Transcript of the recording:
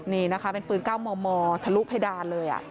นี่นะคะเป็นปืนเก้ามมทะลุ้บให้ด้านเลย